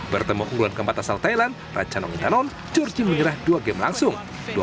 bertemu unggulan keempat asal thailand ratchanong itanon jorjin menyerah dua game langsung